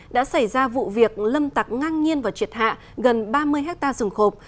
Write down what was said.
đã xảy ra vụ việc lâm tặc ngang nhiên và triệt hạ gần ba mươi hectare rừng khộp